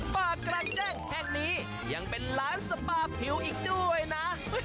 ปากกลางแจ้งแห่งนี้ยังเป็นร้านสปาผิวอีกด้วยนะ